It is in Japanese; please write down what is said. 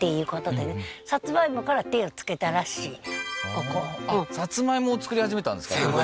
ここサツマイモを作り始めたんですか？